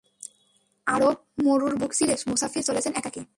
আরব মরুর বুক চিরে মুসাফির চলেছেন একাকী।